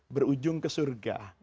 berujung ke surga